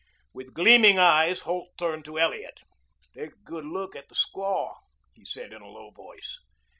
With gleaming eyes Holt turned to Elliot. "Take a good look at the squaw," he said in a low voice.